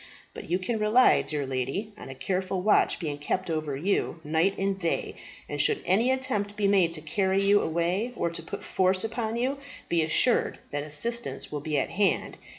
But you can rely, dear lady, on a careful watch being kept over you night and day; and should any attempt be made to carry you away, or to put force upon you, be assured that assistance will be at hand.